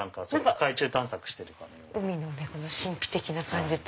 海の神秘的な感じと。